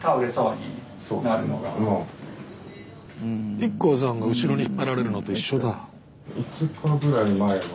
ＩＫＫＯさんが後ろに引っ張られるのと一緒だ。